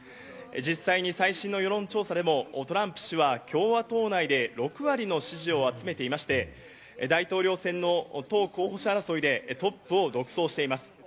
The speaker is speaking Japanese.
実際に最新の世論調査でもトランプ氏は共和党内で６割の支持を集めていまして、大統領選の党候補者争いのトップを独走しています。